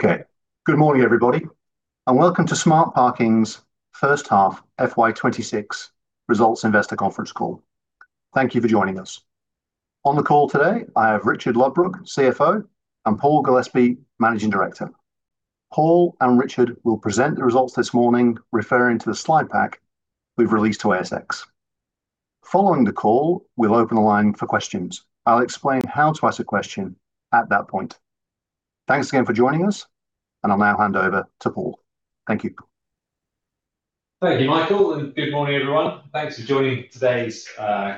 Okay. Good morning, everybody, and welcome to Smart Parking's first half FY 2026 results investor conference call. Thank you for joining us. On the call today, I have Richard Ludbrook, CFO, and Paul Gillespie, Managing Director. Paul and Richard will present the results this morning, referring to the slide pack we've released to ASX. Following the call, we'll open the line for questions. I'll explain how to ask a question at that point. Thanks again for joining us, and I'll now hand over to Paul. Thank you. Thank you, Michael, and good morning, everyone. Thanks for joining today's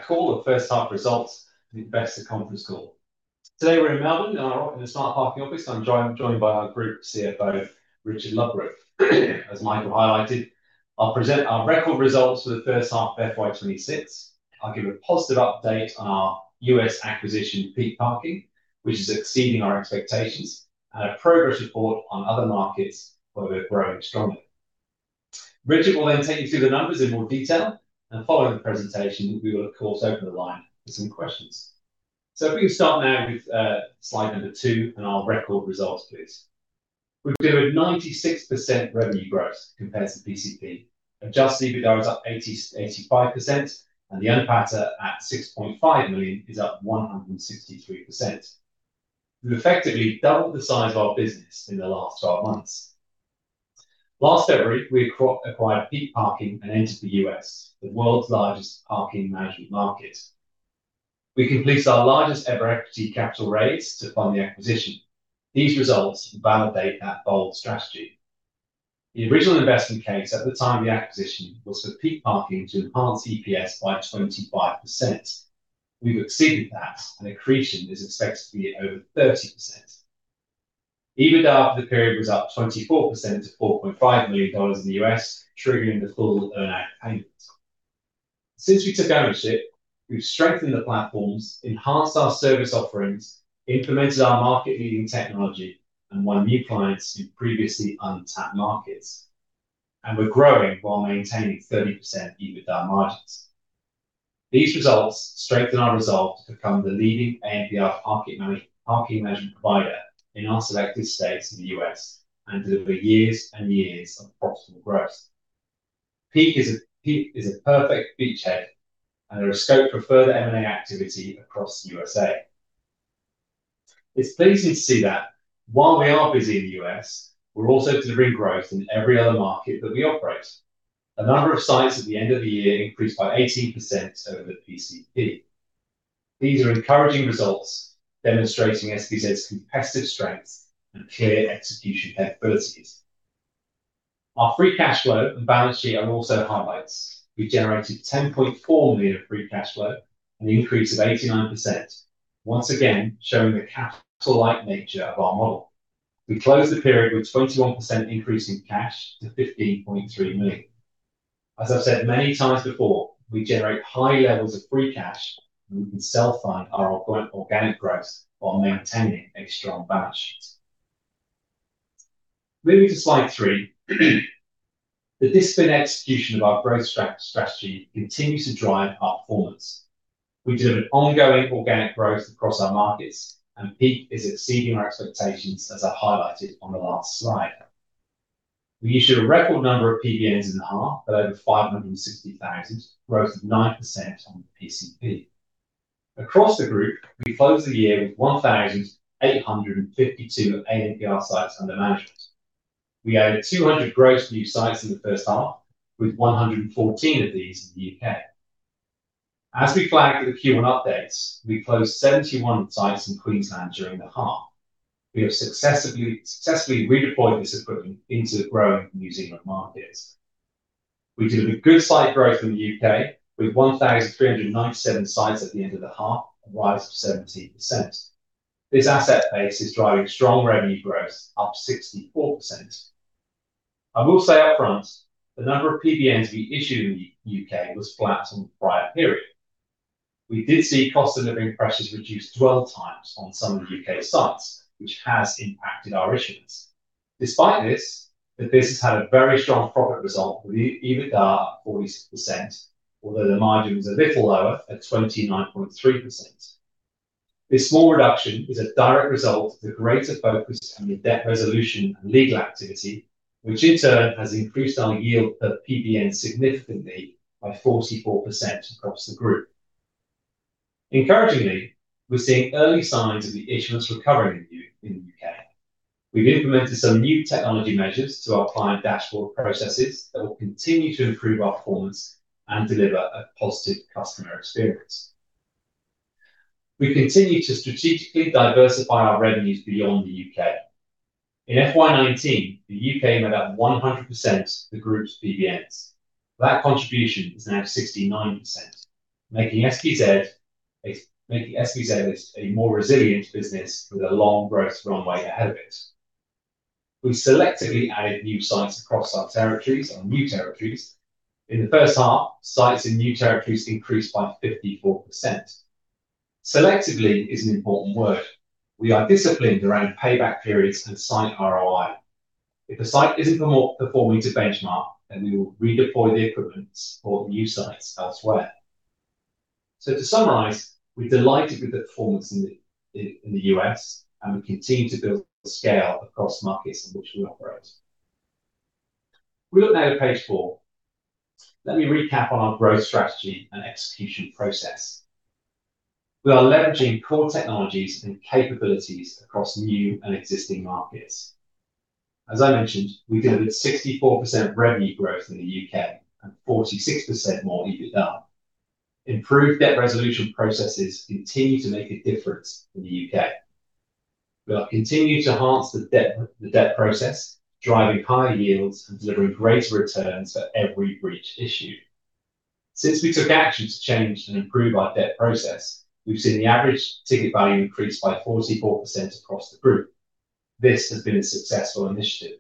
call, the first half results, the investor conference call. Today, we're in Melbourne in our, in the Smart Parking office. I'm joined by our Group CFO, Richard Ludbrook. As Michael highlighted, I'll present our record results for the first half of FY 2026. I'll give a positive update on our U.S. acquisition, Peak Parking, which is exceeding our expectations, and a progress report on other markets where we're growing strongly. Richard will then take you through the numbers in more detail, and following the presentation, we will, of course, open the line for some questions. So if we can start now with slide number 2 and our record results, please. We've delivered 96% revenue growth compared to PCP. Adjusted EBITDA is up 85%, and the NPATA, at 6.5 million, is up 163%. We've effectively doubled the size of our business in the last 12 months. Last February, we acquired Peak Parking and entered the U.S., the world's largest parking management market. We completed our largest ever equity capital raise to fund the acquisition. These results validate that bold strategy. The original investment case at the time of the acquisition was for Peak Parking to enhance EPS by 25%. We've exceeded that, and accretion is expected to be over 30%. EBITDA for the period was up 24% to $4.5 million in the U.S., triggering the full earn-out payment. Since we took ownership, we've strengthened the platforms, enhanced our service offerings, implemented our market-leading technology, and won new clients in previously untapped markets, and we're growing while maintaining 30% EBITDA margins. These results strengthen our resolve to become the leading ANPR parking management provider in our selected states in the U.S., and deliver years and years of profitable growth. Peak is a perfect beachhead, and there are scope for further M&A activity across the U.S.A. It's pleasing to see that while we are busy in the U.S., we're also delivering growth in every other market that we operate. The number of sites at the end of the year increased by 18% over the PCP. These are encouraging results, demonstrating SPZ's competitive strength and clear execution abilities. Our free cash flow and balance sheet are also highlights. We generated 10.4 million of free cash flow and an increase of 89%, once again, showing the capital-like nature of our model. We closed the period with 21% increase in cash to 15.3 million. As I've said many times before, we generate high levels of free cash, and we can self-fund our organic growth while maintaining a strong balance sheet. Moving to slide 3. The disciplined execution of our growth strategy continues to drive our performance. We delivered ongoing organic growth across our markets, and Peak is exceeding our expectations, as I highlighted on the last slide. We issued a record number of PBNs in the half, at over 560,000, growth of 9% on the PCP. Across the group, we closed the year with 1,852 ANPR sites under management. We added 200 gross new sites in the first half, with 114 of these in the U.K. As we flagged in the Q1 updates, we closed 71 sites in Queensland during the half. We have successfully redeployed this equipment into the growing New Zealand markets. We delivered good site growth in the U.K., with 1,397 sites at the end of the half, a rise of 17%. This asset base is driving strong revenue growth, up 64%. I will say upfront, the number of PBNs we issued in the U.K. was flat on the prior period. We did see cost of living pressures reduce dwell times on some of the U.K. sites, which has impacted our issuance. Despite this, the business had a very strong profit result, with EBITDA up 40%, although the margin was a little lower at 29.3%. This small reduction is a direct result of the greater focus on the debt resolution and legal activity, which in turn has increased our yield per PBN significantly by 44% across the group. Encouragingly, we're seeing early signs of the issuance recovering in the U.K. We've implemented some new technology measures to our client dashboard processes that will continue to improve our performance and deliver a positive customer experience. We continue to strategically diversify our revenues beyond the U.K. In FY 2019, the U.K. made up 100% of the group's PBNs. That contribution is now 69%, making SPZ a more resilient business with a long growth runway ahead of it. We've selectively added new sites across our territories and new territories. In the first half, sites in new territories increased by 54%. Selectively is an important word. We are disciplined around payback periods and site ROI. If a site isn't performing to benchmark, then we will redeploy the equipment or new sites elsewhere. So to summarize, we're delighted with the performance in the U.S., and we continue to build scale across markets in which we operate. If we look now to page four, let me recap on our growth strategy and execution process. We are leveraging core technologies and capabilities across new and existing markets. As I mentioned, we delivered 64% revenue growth in the U.K. and 46% more EBITDA. Improved debt resolution processes continue to make a difference in the U.K. We are continuing to enhance the debt, the debt process, driving higher yields and delivering greater returns for every breach issued. Since we took action to change and improve our debt process, we've seen the average ticket value increase by 44% across the group. This has been a successful initiative.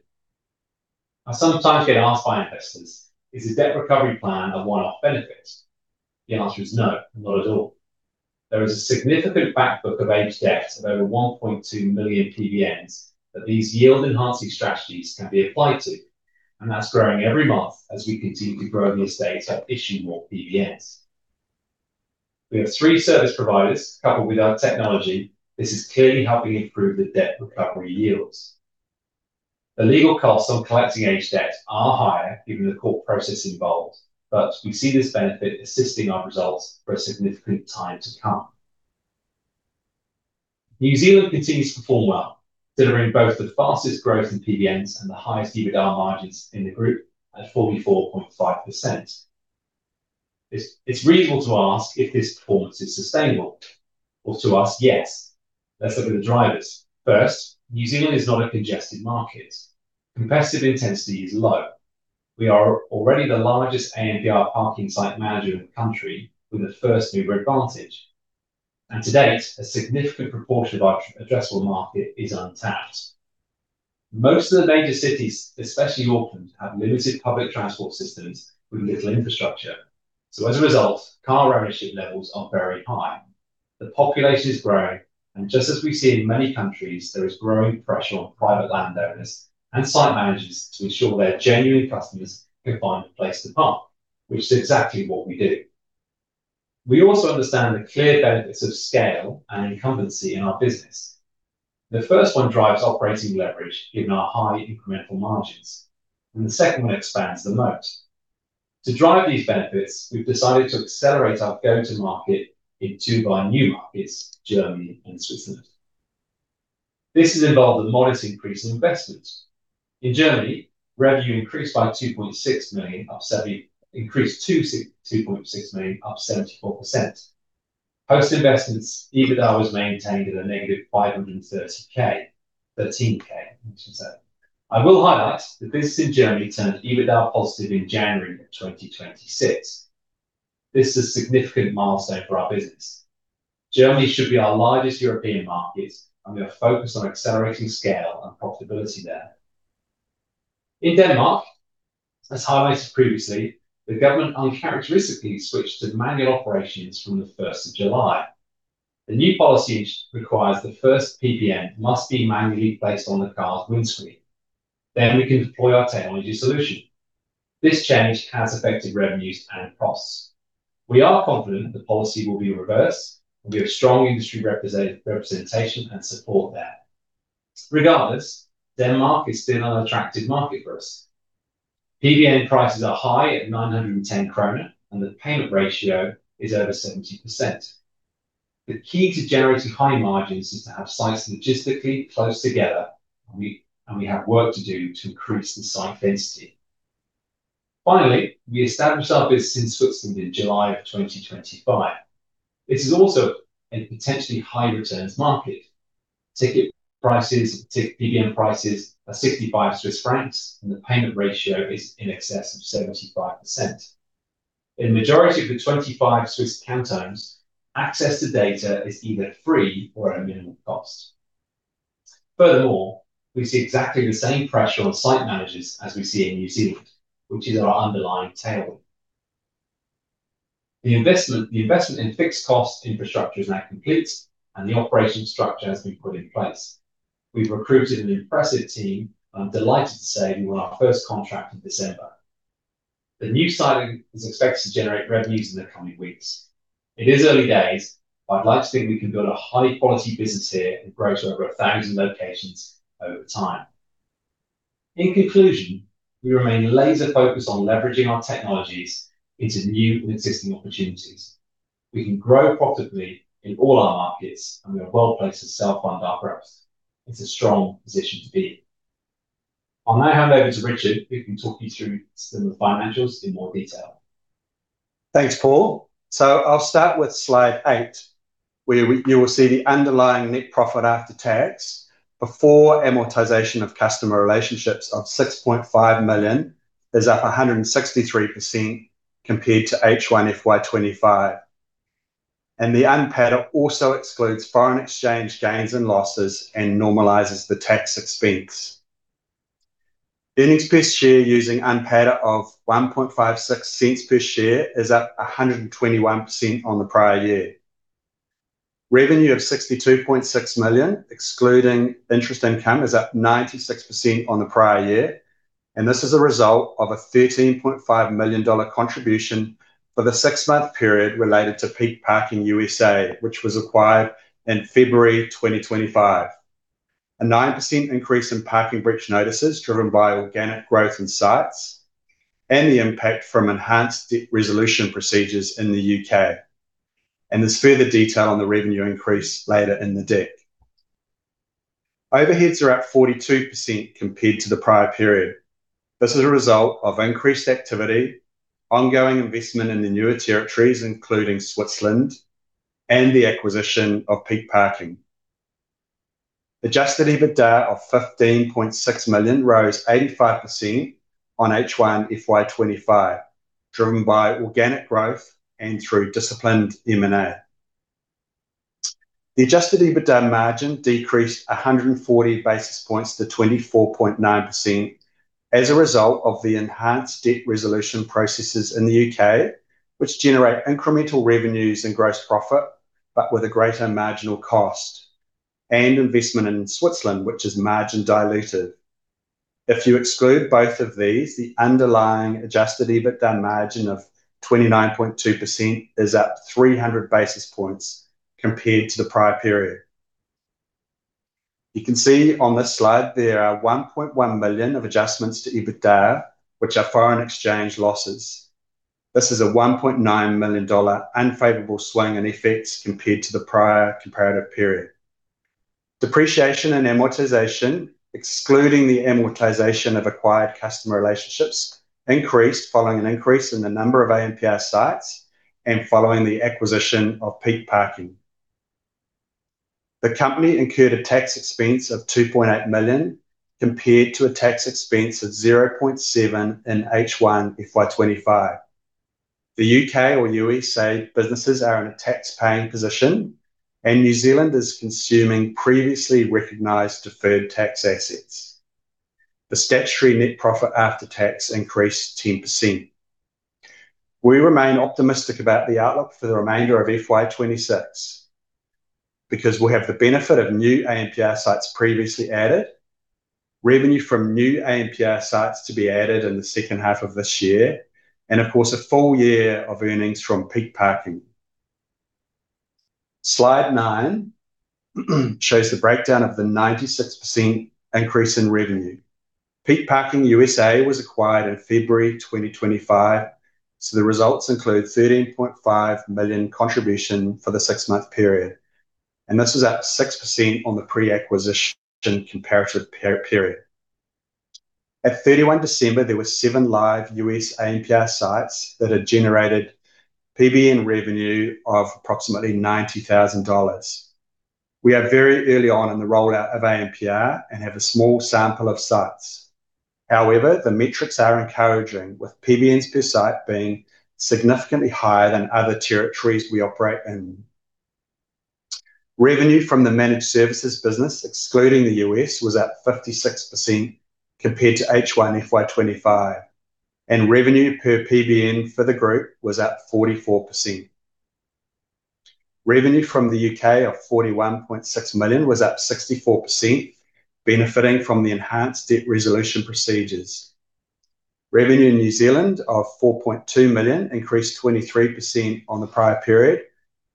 I sometimes get asked by investors, "Is the debt recovery plan a one-off benefit?" The answer is no, not at all. There is a significant back book of aged debt of over 1.2 million PBNs that these yield-enhancing strategies can be applied to, and that's growing every month as we continue to grow the estate to help issue more PBNs. We have three service providers, coupled with our technology, this is clearly helping improve the debt recovery yields. The legal costs on collecting aged debt are higher, given the court process involved, but we see this benefit assisting our results for a significant time to come. New Zealand continues to perform well, delivering both the fastest growth in PBNs and the highest EBITDA margins in the group at 44.5%. It's, it's reasonable to ask if this performance is sustainable. Well, to ask, yes. Let's look at the drivers. First, New Zealand is not a congested market. Competitive intensity is low. We are already the largest ANPR parking site manager in the country with a first-mover advantage, and to date, a significant proportion of our addressable market is untapped. Most of the major cities, especially Auckland, have limited public transport systems with little infrastructure, so as a result, car ownership levels are very high. The population is growing, and just as we see in many countries, there is growing pressure on private landowners and site managers to ensure their genuine customers can find a place to park, which is exactly what we do. We also understand the clear benefits of scale and incumbency in our business. The first one drives operating leverage, given our high incremental margins, and the second one expands the moat. To drive these benefits, we've decided to accelerate our go-to-market into our new markets, Germany and Switzerland. This has involved a modest increase in investment. In Germany, revenue increased to 2.6 million, up 74%. Post investments, EBITDA was maintained at a -513,000, I should say. I will highlight that the business in Germany turned EBITDA positive in January 2026. This is a significant milestone for our business. Germany should be our largest European market, and we are focused on accelerating scale and profitability there. In Denmark, as highlighted previously, the government uncharacteristically switched to manual operations from the first of July. The new policy requires the first PBN must be manually placed on the car's windscreen, then we can deploy our technology solution. This change has affected revenues and costs. We are confident the policy will be reversed, and we have strong industry representation and support there. Regardless, Denmark is still an attractive market for us. PBN prices are high at 910 kroner, and the payment ratio is over 70%. The key to generating high margins is to have sites logistically close together, and we have work to do to increase the site density. Finally, we established our business in Switzerland in July 2025. This is also a potentially high returns market. Ticket prices, PBN prices are 65 Swiss francs, and the payment ratio is in excess of 75%. In the majority of the 25 Swiss cantons, access to data is either free or at a minimal cost. Furthermore, we see exactly the same pressure on site managers as we see in New Zealand, which is our underlying tailwind. The investment in fixed cost infrastructure is now complete, and the operation structure has been put in place. We've recruited an impressive team, and I'm delighted to say we won our first contract in December. The new site is expected to generate revenues in the coming weeks. It is early days, but I'd like to think we can build a high-quality business here and grow to over 1,000 locations over time. In conclusion, we remain laser-focused on leveraging our technologies into new and existing opportunities. We can grow profitably in all our markets, and we are well-placed to self-fund our growth. It's a strong position to be in. I'll now hand over to Richard, who can talk you through some of the financials in more detail. Thanks, Paul. So I'll start with slide eight, where you will see the underlying net profit after tax, before amortization of customer relationships of 6.5 million, is up 163% compared to HY FY 2025. The UNPAT also excludes foreign exchange gains and losses and normalizes the tax expense. Earnings per share using UNPAT of 1.56 cents per share is up 121% on the prior year. Revenue of 62.6 million, excluding interest income, is up 96% on the prior year, and this is a result of a $13.5 million contribution for the six-month period related to Peak Parking, which was acquired in February 2025. A 9% increase in parking breach notices, driven by organic growth in sites, and the impact from enhanced debt resolution procedures in the U.K. There's further detail on the revenue increase later in the deck. Overheads are up 42% compared to the prior period. This is a result of increased activity, ongoing investment in the newer territories, including Switzerland, and the acquisition of Peak Parking. Adjusted EBITDA of 15.6 million rose 85% on H1 FY 2025, driven by organic growth and through disciplined M&A. The adjusted EBITDA margin decreased 140 basis points to 24.9% as a result of the enhanced debt resolution processes in the U.K., which generate incremental revenues and gross profit, but with a greater marginal cost, and investment in Switzerland, which is margin dilutive. If you exclude both of these, the underlying adjusted EBITDA margin of 29.2% is up 300 basis points compared to the prior period. You can see on this slide, there are 1.1 million of adjustments to EBITDA, which are foreign exchange losses. This is a $1.9 million unfavorable swing in effects compared to the prior comparative period. Depreciation and amortization, excluding the amortization of acquired customer relationships, increased following an increase in the number of ANPR sites and following the acquisition of Peak Parking. The company incurred a tax expense of 2.8 million, compared to a tax expense of 0.7 million in H1 FY2025. The U.K. or USA businesses are in a tax-paying position, and New Zealand is consuming previously recognized deferred tax assets. The statutory net profit after tax increased 10%. We remain optimistic about the outlook for the remainder of FY 2026, because we'll have the benefit of new ANPR sites previously added, revenue from new ANPR sites to be added in the second half of this year, and of course, a full year of earnings from Peak Parking. Slide 9 shows the breakdown of the 96% increase in revenue. Peak Parking USA was acquired in February 2025, so the results include $13.5 million contribution for the six-month period, and this is up 6% on the pre-acquisition comparative period. At December 31, there were 7 live U.S. ANPR sites that had generated PBN revenue of approximately $90,000. We are very early on in the rollout of ANPR and have a small sample of sites. However, the metrics are encouraging, with PBNs per site being significantly higher than other territories we operate in. Revenue from the managed services business, excluding the U.S., was up 56% compared to H1 FY 2025, and revenue per PBN for the group was up 44%. Revenue from the U.K. of 41.6 million was up 64%, benefiting from the enhanced debt resolution procedures. Revenue in New Zealand of 4.2 million increased 23% on the prior period,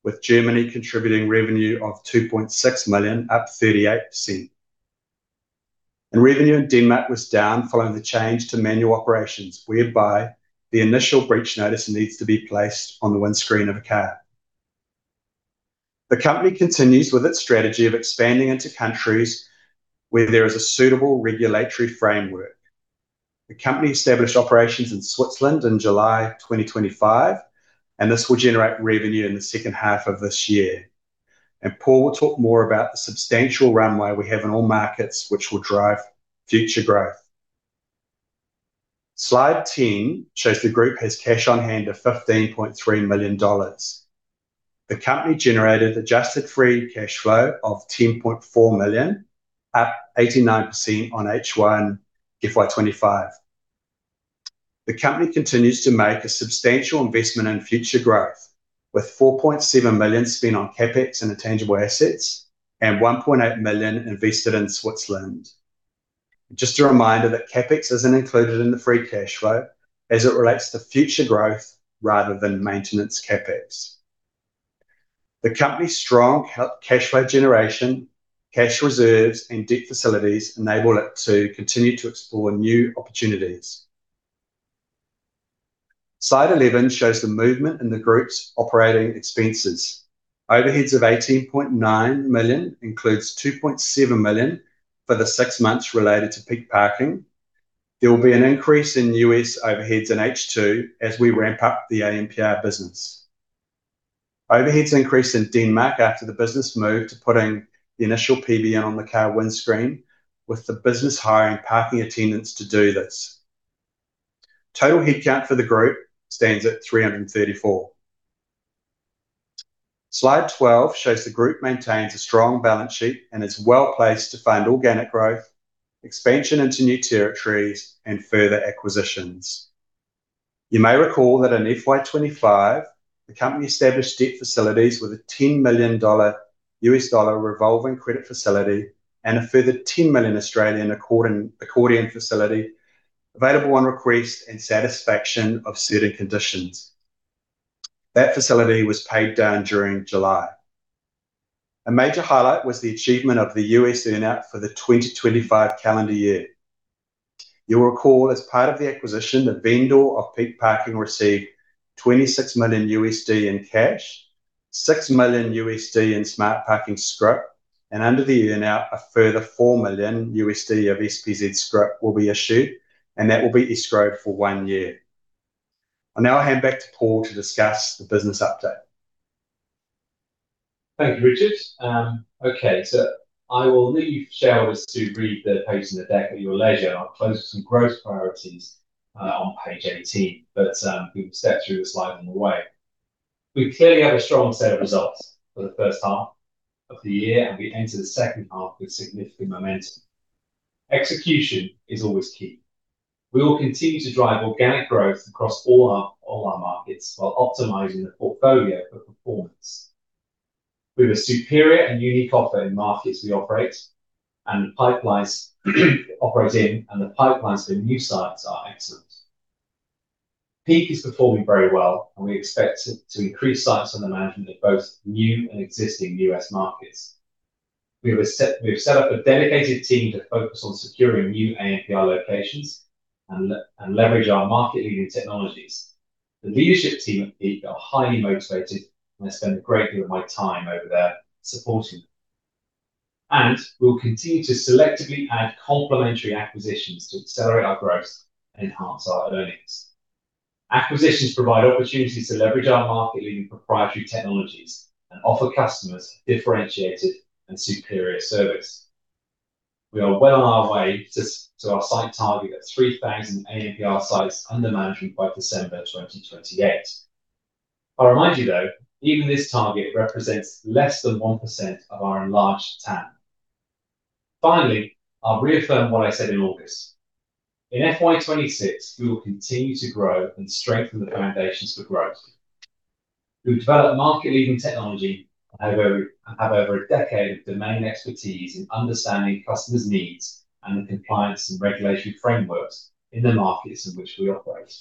with Germany contributing revenue of 2.6 million, up 38%. Revenue in Denmark was down following the change to manual operations, whereby the initial breach notice needs to be placed on the windscreen of a car. The company continues with its strategy of expanding into countries where there is a suitable regulatory framework. The company established operations in Switzerland in July 2025, and this will generate revenue in the second half of this year. Paul will talk more about the substantial runway we have in all markets, which will drive future growth. Slide 10 shows the group has cash on hand of 15.3 million dollars. The company generated adjusted free cash flow of 10.4 million, up 89% on H1 FY 2025. The company continues to make a substantial investment in future growth, with 4.7 million spent on CapEx and intangible assets and 1.8 million invested in Switzerland. Just a reminder that CapEx isn't included in the free cash flow, as it relates to future growth rather than maintenance CapEx. The company's strong cash flow generation, cash reserves, and debt facilities enable it to continue to explore new opportunities. Slide 11 shows the movement in the group's operating expenses. Overheads of 18.9 million includes 2.7 million for the six months related to Peak Parking. There will be an increase in U.S. overheads in H2 as we ramp up the ANPR business. Overheads increased in Denmark after the business moved to putting the initial PBN on the car windscreen, with the business hiring parking attendants to do this. Total headcount for the group stands at 334. Slide 12 shows the group maintains a strong balance sheet and is well-placed to fund organic growth, expansion into new territories, and further acquisitions.... You may recall that in FY 2025, the company established debt facilities with a $10 million U.S. dollar revolving credit facility and a further 10 million Australian accordion facility available on request and satisfaction of certain conditions. That facility was paid down during July. A major highlight was the achievement of the U.S. earn-out for the 2025 calendar year. You'll recall, as part of the acquisition, the vendor of Peak Parking received $26 million in cash, $6 million in Smart Parking scrip, and under the earn-out, a further $4 million of SPZ scrip will be issued, and that will be escrowed for 1 year. I'll now hand back to Paul to discuss the business update. Thank you, Richard. Okay, so I will leave shareholders to read the page in the deck at your leisure. I'll close with some growth priorities on page 18, but we will step through the slides on the way. We clearly have a strong set of results for the first half of the year, and we enter the second half with significant momentum. Execution is always key. We will continue to drive organic growth across all our, all our markets while optimizing the portfolio for performance. We have a superior and unique offer in markets we operate in, and the pipelines for new sites are excellent. Peak is performing very well, and we expect to increase sites under management in both new and existing U.S. markets. We've set up a dedicated team to focus on securing new ANPR locations and leverage our market-leading technologies. The leadership team at Peak are highly motivated, and I spend a great deal of my time over there supporting them. We'll continue to selectively add complementary acquisitions to accelerate our growth and enhance our earnings. Acquisitions provide opportunities to leverage our market-leading proprietary technologies and offer customers differentiated and superior service. We are well on our way to our site target of 3,000 ANPR sites under management by December 2028. I'll remind you, though, even this target represents less than 1% of our enlarged TAM. Finally, I'll reaffirm what I said in August. In FY 2026, we will continue to grow and strengthen the foundations for growth. We've developed market-leading technology and have over a decade of domain expertise in understanding customers' needs and the compliance and regulation frameworks in the markets in which we operate.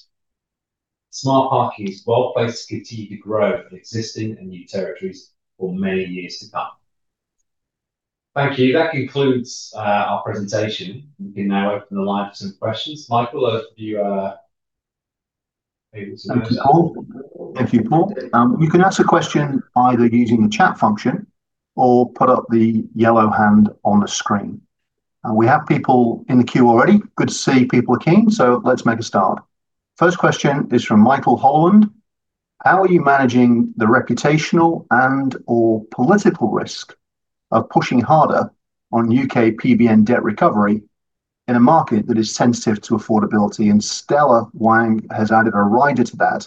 Smart Parking is well-placed to continue to grow in existing and new territories for many years to come. Thank you. That concludes our presentation. We can now open the line for some questions. Michael, are you able to- Thank you, Paul. Thank you, Paul. You can ask a question either using the chat function or put up the yellow hand on the screen. And we have people in the queue already. Good to see people are keen, so let's make a start. First question is from Michael Holland: How are you managing the reputational and/or political risk of pushing harder on U.K. PBN debt recovery in a market that is sensitive to affordability? And Stella Wang has added a rider to that,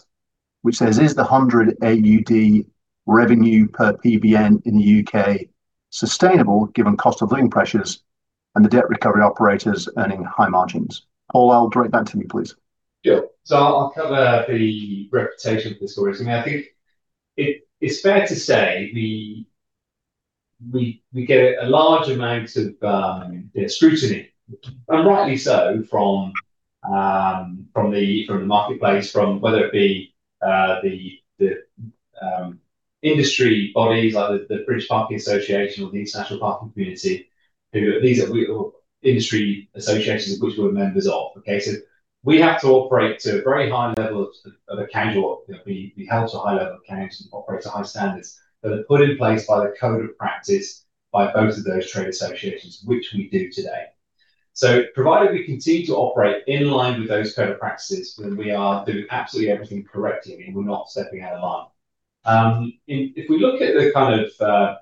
which says: Is the 100 AUD revenue per PBN in the U.K. sustainable, given cost of living pressures and the debt recovery operators earning high margins? Paul, I'll direct that to you, please. Yeah. So I'll cover the reputation of the stories. I mean, I think it, it's fair to say we get a large amount of scrutiny, and rightly so, from the marketplace, from whether it be the industry bodies like the British Parking Association or the International Parking Community, which these are, our industry associations of which we're members of, okay? So we have to operate to a very high level of accountability. You know, we're held to a high level of accountability and operate to high standards that are put in place by the Code of Practice by both of those trade associations, which we do today. So provided we continue to operate in line with those Code of Practices, then we are doing absolutely everything correctly, and we're not stepping out of line. And if we look at the kind of,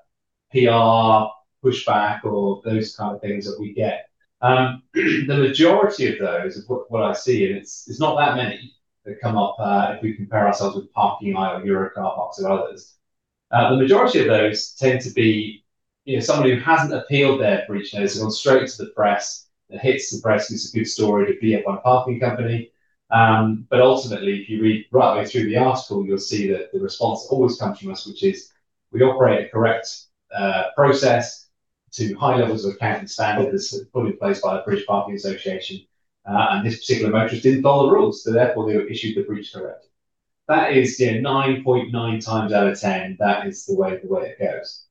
PR pushback or those kind of things that we get, the majority of those, of what I see, and it's, it's not that many that come up, if we compare ourselves with ParkingEye or Euro Car Parks and others. The majority of those tend to be, you know, somebody who hasn't appealed their breach notice, have gone straight to the press, and hits the press. It's a good story to be up by a parking company. But ultimately, if you read right the way through the article, you'll see that the response always comes from us, which is: we operate a correct, process to high levels of accounting standards put in place by the British Parking Association. And this particular motorist didn't follow the rules, so therefore, they were issued the breach correctly. That is, you know, 9.9 times out of 10, that is the way, the way it goes.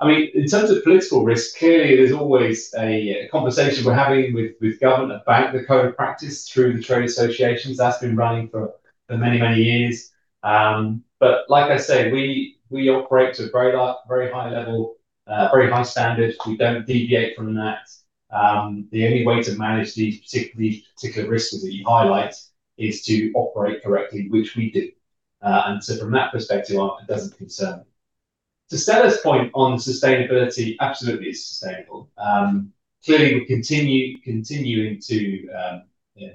I mean, in terms of political risk, clearly, there's always a conversation we're having with government about the Code of Practice through the trade associations. That's been running for many, many years. But like I say, we operate to a very high, very high level, very high standard. We don't deviate from that. The only way to manage these particular risks that you highlight is to operate correctly, which we do. And so from that perspective, it doesn't concern me. To Stella's point on sustainability, absolutely, it's sustainable. Clearly, we continue to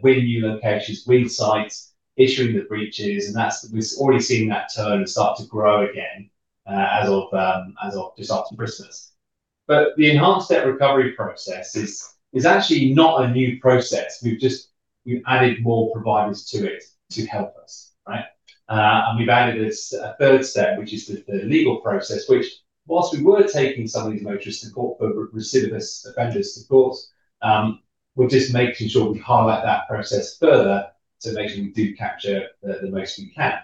win new locations, win sites, issuing the breaches, and that's. We've already seen that turn and start to grow again, as of just after Christmas. But the enhanced debt recovery process is actually not a new process. We've just added more providers to it to help us, right? And we've added a third step, which is the legal process, which whilst we were taking some of these motorists to court for recidivist offenders to court, we're just making sure we highlight that process further to make sure we do capture the most we can.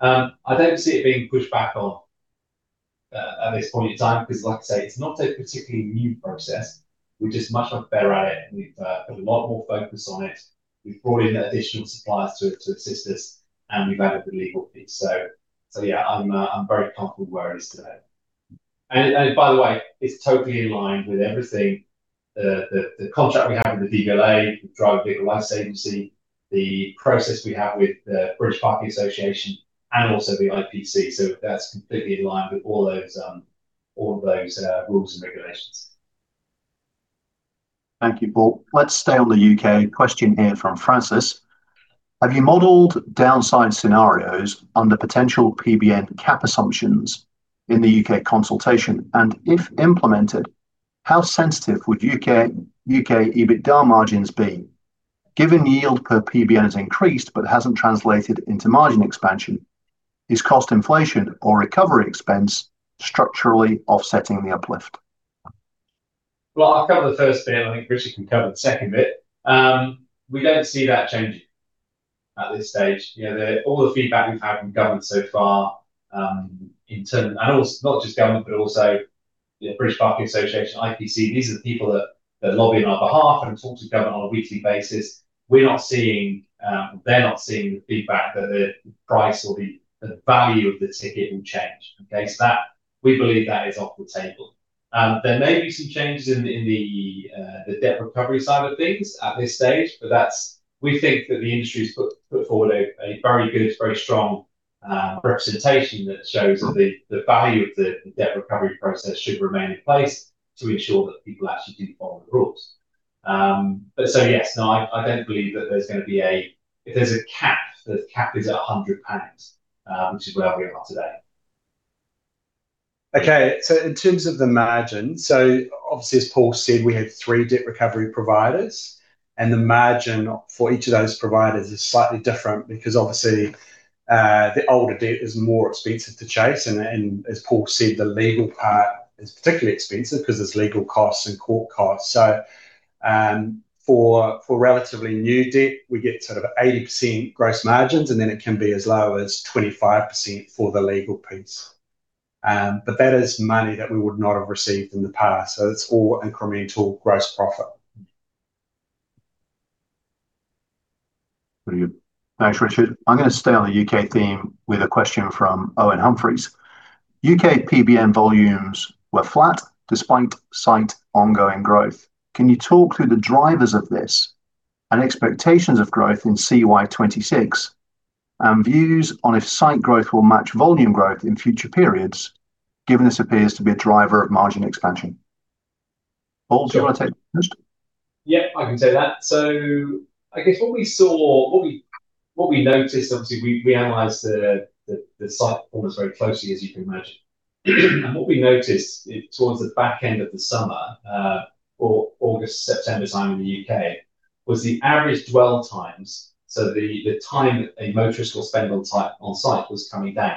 I don't see it being pushed back on at this point in time, because like I say, it's not a particularly new process. We're just much more better at it, and we've put a lot more focus on it. We've brought in additional suppliers to assist us, and we've added the legal piece. So yeah, I'm very comfortable where it is today. And by the way, it's totally in line with everything, the contract we have with the DVLA, the Driver and Vehicle Licensing Agency, the process we have with the British Parking Association and also the IPC. So that's completely in line with all those, all of those rules and regulations. Thank you, Paul. Let's stay on the U.K. Question here from Francis: Have you modeled downside scenarios under potential PBN cap assumptions in the U.K. consultation? And if implemented, how sensitive would U.K., U.K. EBITDA margins be? Given yield per PBN has increased but hasn't translated into margin expansion, is cost inflation or recovery expense structurally offsetting the uplift? Well, I'll cover the first bit, and I think Richard can cover the second bit. We don't see that changing at this stage. You know, the all the feedback we've had from government so far, in terms and also not just government, but also the British Parking Association, IPC, these are the people that, that lobby on our behalf and talk to government on a weekly basis. We're not seeing they're not seeing the feedback that the price or the, the value of the ticket will change, okay? So that, we believe that is off the table. There may be some changes in the debt recovery side of things at this stage, but that's - we think that the industry's put forward a very good, very strong representation that shows that the value of the debt recovery process should remain in place to ensure that people actually do follow the rules. But yes, no, I don't believe that there's going to be a... If there's a cap, the cap is at 100 pounds, which is where we are today. Okay, so in terms of the margin, so obviously, as Paul said, we have three debt recovery providers, and the margin for each of those providers is slightly different because obviously, the older debt is more expensive to chase, and as Paul said, the legal part is particularly expensive because there's legal costs and court costs. So, for relatively new debt, we get sort of 80% gross margins, and then it can be as low as 25% for the legal piece. But that is money that we would not have received in the past, so it's all incremental gross profit. Very good. Thanks, Richard. I'm going to stay on the U.K. theme with a question from Owen Humphries: U.K. PBN volumes were flat despite site ongoing growth. Can you talk through the drivers of this and expectations of growth in CY 2026, and views on if site growth will match volume growth in future periods, given this appears to be a driver of margin expansion? Paul, do you want to take the first? Yeah, I can take that. So I guess what we saw, what we noticed, obviously, we analyzed the site performance very closely, as you can imagine. And what we noticed towards the back end of the summer, or August, September time in the U.K., was the average dwell times, so the time that a motorist will spend on site was coming down.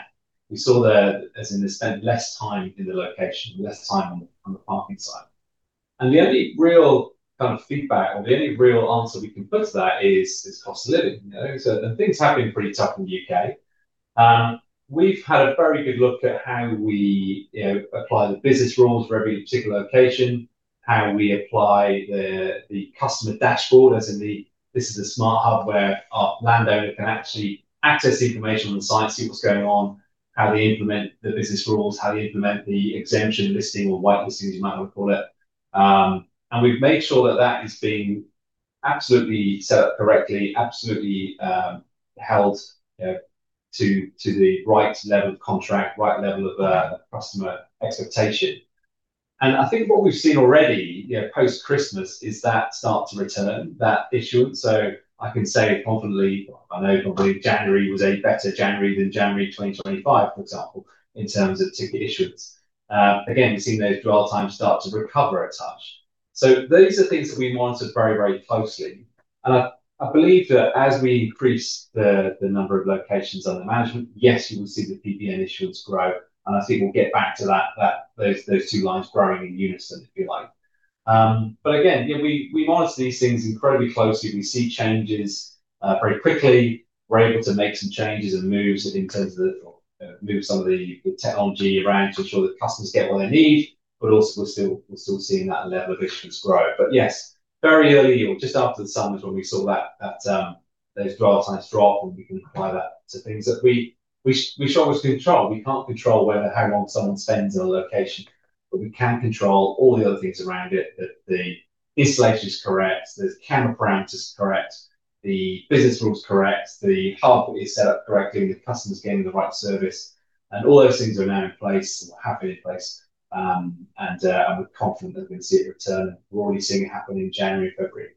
We saw that, as in, they spent less time in the location, less time on the parking site. And the only real kind of feedback or the only real answer we can put to that is cost of living, you know. So, and things have been pretty tough in the U.K. We've had a very good look at how we, you know, apply the business rules for every particular location, how we apply the customer dashboard, as in, this is a smart hub where our landowner can actually access information on the site, see what's going on, how they implement the business rules, how they implement the exemption listing or whitelisting, as you might well call it. And we've made sure that that is being absolutely set up correctly, absolutely, held to the right level of contract, right level of customer expectation. And I think what we've seen already, you know, post-Christmas, is that start to return, that issuance. So I can say confidently, I know probably January was a better January than January 2025, for example, in terms of ticket issuance. Again, we've seen those dwell times start to recover a touch. So those are things that we monitor very, very closely, and I believe that as we increase the number of locations under management, yes, you will see the PBN issuance grow, and I think we'll get back to those two lines growing in unison, if you like. But again, we monitor these things incredibly closely. We see changes very quickly. We're able to make some changes and moves in terms of the move some of the technology around to ensure that customers get what they need, but also we're still seeing that level of issuance grow. But yes, very early or just after the summer is when we saw that those dwell times drop, and we can apply that to things that we should always control. We can't control whether how long someone spends in a location, but we can control all the other things around it, that the installation is correct, the camera parameters are correct, the business rules are correct, the hardware is set up correctly, the customer's getting the right service. And all those things are now in place or have been in place, and I'm confident that we're going to see it return. We're already seeing it happen in January, February.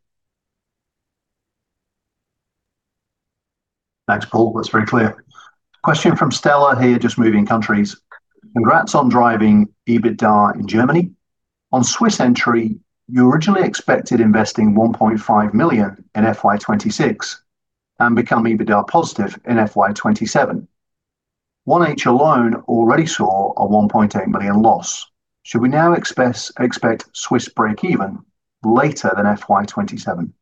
Thanks, Paul. That's very clear. Question from Stella here, just moving countries. Congrats on driving EBITDA in Germany. On Swiss entry, you originally expected investing 1.5 million in FY 2026 and become EBITDA positive in FY 2027. 1H alone already saw a 1.8 million loss. Should we now expect Swiss break even later than FY 2027?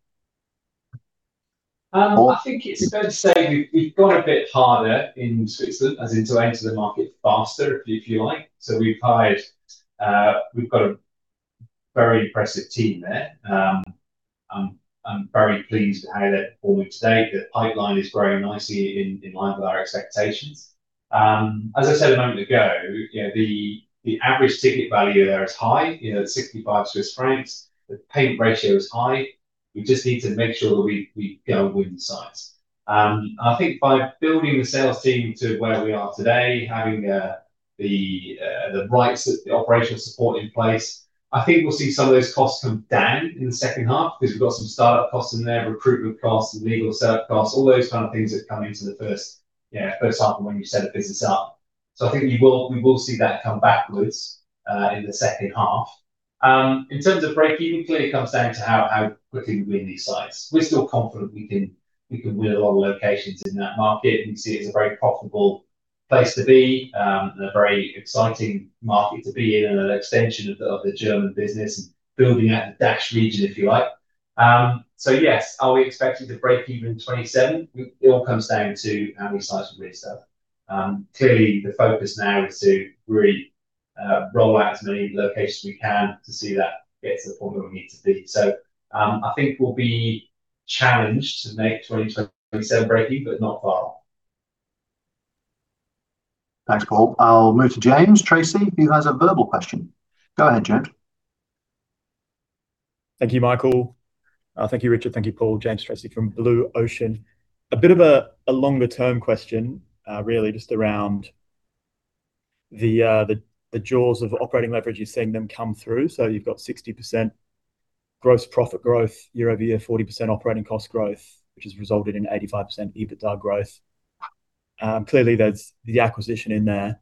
I think it's fair to say we've gone a bit harder in Switzerland, as in to enter the market faster, if you like. So we've hired, we've got a very impressive team there. I'm very pleased with how they're performing today. The pipeline is growing nicely in line with our expectations. As I said a moment ago, you know, the average ticket value there is high, you know, 65 Swiss francs. The payment ratio is high. We just need to make sure that we go and win the sites. I think by building the sales team to where we are today, having the rights, the operational support in place, I think we'll see some of those costs come down in the second half because we've got some start-up costs in there, recruitment costs, legal set-up costs, all those kind of things that come into the first, yeah, first half of when you set a business up. So I think we will, we will see that come backwards in the second half. In terms of break-even, clearly, it comes down to how quickly we win these sites. We're still confident we can, we can win a lot of locations in that market. We see it as a very profitable place to be, and a very exciting market to be in, and an extension of the, of the German business, and building out the DACH region, if you like. So yes, are we expecting to break even in 2027? It, it all comes down to how many sites we set up. Clearly, the focus now is to really, roll out as many locations we can to see that get to the point where we need to be. So, I think we'll be challenged to make 2027 break even, but not far. Thanks, Paul. I'll move to James Tracy, who has a verbal question. Go ahead, James. Thank you, Michael. Thank you, Richard. Thank you, Paul. James Tracy from Blue Ocean. A bit of a, a longer-term question, really just around the, the jaws of operating leverage you're seeing them come through. So you've got 60% gross profit growth year-over-year, 40% operating cost growth, which has resulted in 85% EBITDA growth. Clearly, there's the acquisition in there,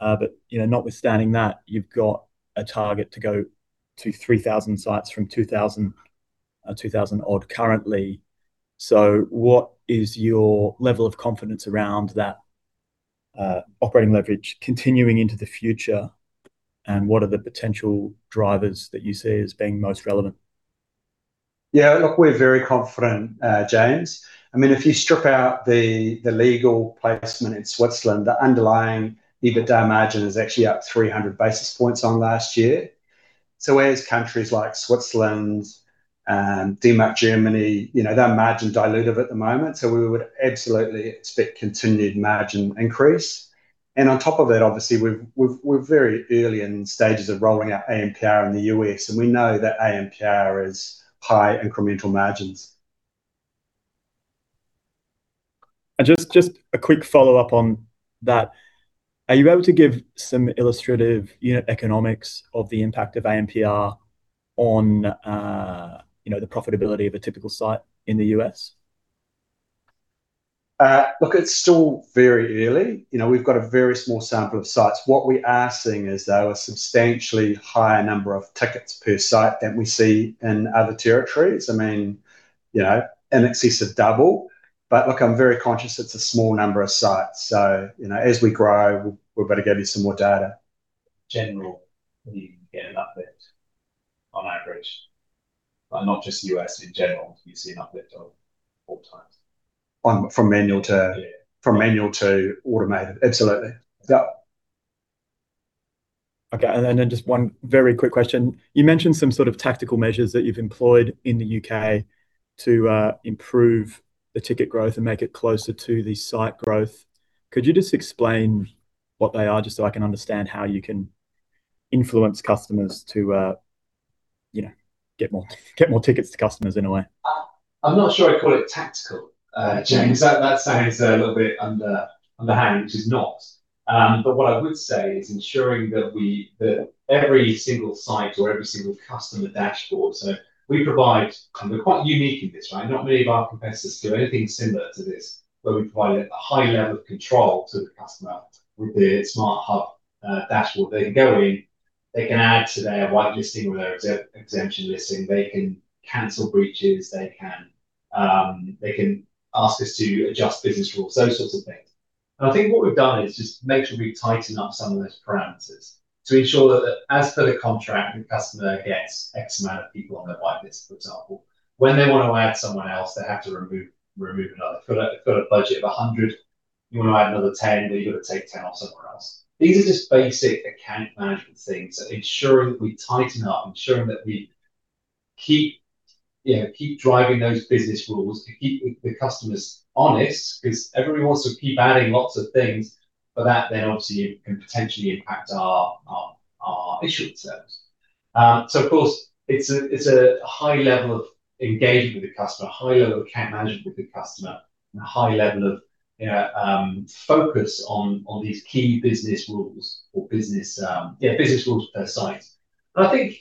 but, you know, notwithstanding that, you've got a target to go to 3,000 sites from 2,000, 2,000 odd currently. So what is your level of confidence around that, operating leverage continuing into the future, and what are the potential drivers that you see as being most relevant? Yeah, look, we're very confident, James. I mean, if you strip out the, the legal placement in Switzerland, the underlying EBITDA margin is actually up 300 basis points on last year. So whereas countries like Switzerland, Denmark, Germany, you know, they're margin dilutive at the moment, so we would absolutely expect continued margin increase. And on top of that, obviously, we're very early in stages of rolling out ANPR in the U.S., and we know that ANPR is high incremental margins. Just a quick follow-up on that. Are you able to give some illustrative unit economics of the impact of ANPR on, you know, the profitability of a typical site in the U.S.? Look, it's still very early. You know, we've got a very small sample of sites. What we are seeing is, though, a substantially higher number of tickets per site than we see in other territories. I mean, you know, in excess of double, but look, I'm very conscious it's a small number of sites. So, you know, as we grow, we're about to get you some more data. General, you get an uplift on average, but not just U.S., in general, you see an uplift of all times. From manual to. Yeah. From manual to automated, absolutely. Yeah. Okay, and then, just one very quick question. You mentioned some sort of tactical measures that you've employed in the U.K. to improve the ticket growth and make it closer to the site growth. Could you just explain what they are, just so I can understand how you can influence customers to, you know, get more, get more tickets to customers, in a way? I'm not sure I'd call it tactical, James. That sounds a little bit underhand, which it's not. But what I would say is ensuring that every single site or every single customer dashboard, so we provide. And we're quite unique in this, right? Not many of our competitors do anything similar to this, but we provide a high level of control to the customer with the SmartCloud Hub dashboard. They can go in, they can add to their whitelisting or their exemption listing, they can cancel breaches, they can ask us to adjust business rules, those sorts of things. And I think what we've done is just make sure we tighten up some of those parameters to ensure that as per the contract, the customer gets X amount of people on their whitelist, for example. When they want to add someone else, they have to remove another. If they've got a budget of 100, you want to add another 10, then you've got to take 10 off somewhere else. These are just basic account management things, so ensuring that we tighten up, ensuring that we keep, you know, keep driving those business rules to keep the customers honest, 'cause everybody wants to keep adding lots of things, but that then obviously can potentially impact our issue with service. So of course, it's a high level of engagement with the customer, a high level of account management with the customer, and a high level of focus on these key business rules or business rules per site. I think-...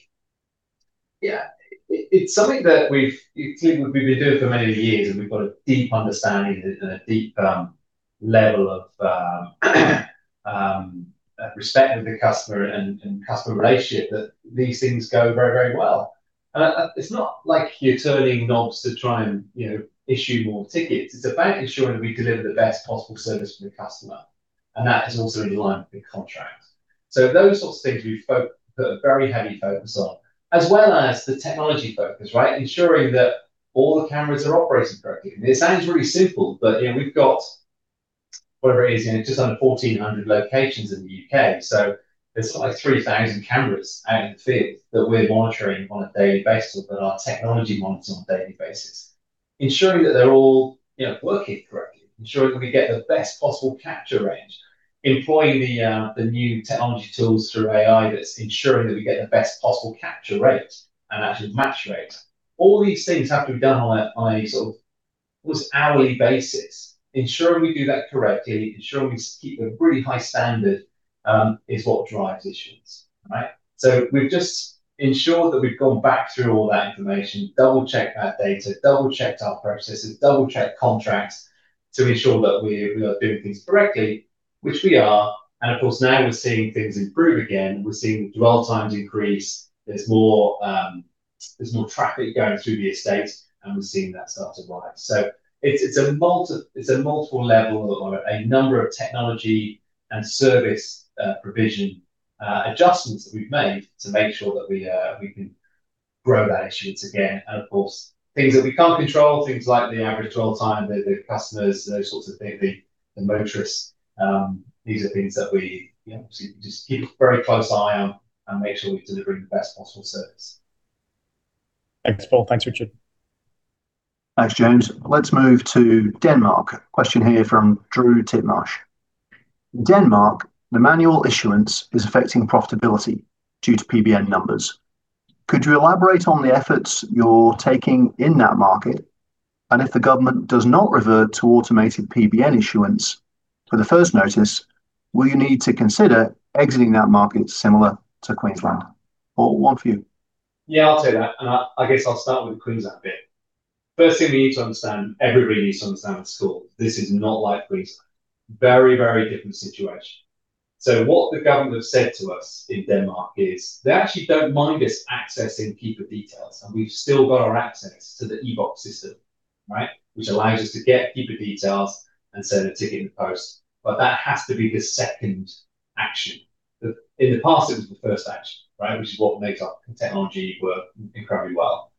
Yeah, it's something that we've been doing for many years, and we've got a deep understanding and a deep level of respect of the customer and customer relationship, that these things go very, very well. And it's not like you're turning knobs to try and, you know, issue more tickets. It's about ensuring that we deliver the best possible service for the customer, and that is also in line with the contract. So those sorts of things we put a very heavy focus on, as well as the technology focus, right? Ensuring that all the cameras are operating correctly. It sounds really simple, but, you know, we've got, whatever it is, you know, just under 1,400 locations in the U.K., so there's like 3,000 cameras out in the field that we're monitoring on a daily basis, that our technology monitors on a daily basis. Ensuring that they're all, you know, working correctly, ensuring that we get the best possible capture range, employing the new technology tools through AI that's ensuring that we get the best possible capture rate and actually match rate. All these things have to be done on a, on a sort of almost hourly basis. Ensuring we do that correctly, ensuring we keep a really high standard, is what drives issuance, right? So we've just ensured that we've gone back through all that information, double-checked our data, double-checked our processes, double-checked contracts to ensure that we, we are doing things correctly, which we are. And of course, now we're seeing things improve again. We're seeing dwell times increase. There's more, there's more traffic going through the estate, and we're seeing that start to rise. So it's a multiple level or a number of technology and service provision adjustments that we've made to make sure that we, we can grow that issuance again. And of course, things that we can't control, things like the average dwell time, the customers, those sorts of things, the motorists, these are things that we, you know, just keep a very close eye on and make sure we're delivering the best possible service. Thanks, Paul. Thanks, Richard. Thanks, James. Let's move to Denmark. Question here from Drew Titmarsh: "In Denmark, the manual issuance is affecting profitability due to PBN numbers. Could you elaborate on the efforts you're taking in that market? And if the government does not revert to automated PBN issuance for the first notice, will you need to consider exiting that market similar to Queensland?" Paul, one for you. Yeah, I'll take that, and I, I guess I'll start with the Queensland bit. First thing we need to understand, everybody needs to understand at school, this is not like Queensland. Very, very different situation. So what the government have said to us in Denmark is they actually don't mind us accessing keeper details, and we've still got our access to the e-Boks system, right? Which allows us to get keeper details and send a ticket in the post, but that has to be the second action. The, in the past, it was the first action, right? Which is what makes our technology work incredibly well.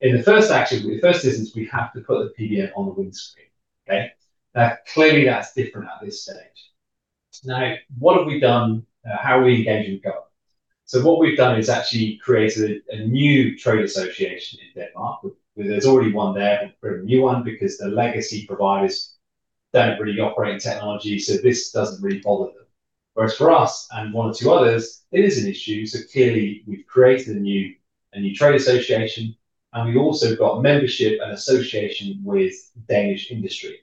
In the first action, the first instance, we have to put the PBN on the windscreen, okay? Now, clearly, that's different at this stage. Now, what have we done? How are we engaging with government? So what we've done is actually created a new trade association in Denmark. There's already one there, but a new one because the legacy providers don't really operate in technology, so this doesn't really bother them. Whereas for us and one or two others, it is an issue, so clearly, we've created a new trade association, and we've also got membership and association with Danish Industry.